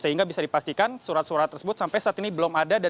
sehingga bisa dipastikan surat surat tersebut sampai saat ini belum ada